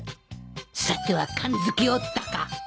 さては感づきおったか！